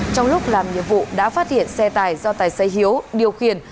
trong lúc làm nhiệm vụ đã phát hiện xe tải do tài xế hiếu điều khiển